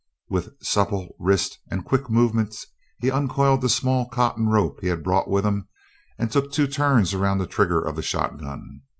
With supple wrist and quick movements he uncoiled the small cotton rope he had brought with him and took two turns around the trigger of the shotgun.